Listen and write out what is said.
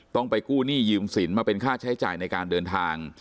ต้องไปกู้หนี้ยืมสินมาเป็นค่าใช้จ่ายในการเดินทาง